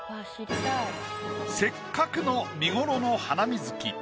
せっかくの見頃のハナミズキ。